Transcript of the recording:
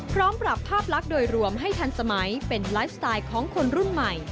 พร้อมปรับภาพลักษณ์โดยรวมให้ทันสมัยเป็นไลฟ์สไตล์ของคนรุ่นใหม่